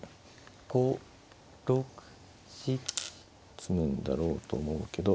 詰むんだろうと思うけど。